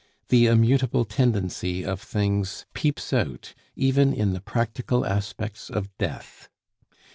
The immutable tendency of things peeps out even in the practical aspects of Death.